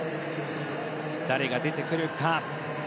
誰が出てくるか。